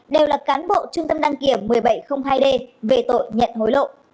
đều là cán bộ trung tâm đăng kiểm một mươi bảy trăm linh hai d về tội nhận hối lộ